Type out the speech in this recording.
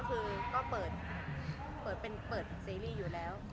ก็คือก็เปิดเปิดเป็นเปิดซีรีส์อยู่แล้ว